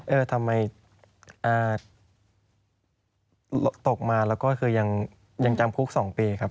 เออทำไมตกมาแล้วก็คือยังจำคุก๒ปีครับ